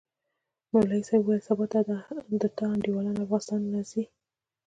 مولوي صاحب وويل سبا د تا انډيوالان افغانستان له زي؟